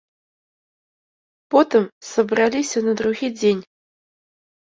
Потым сабраліся на другі дзень.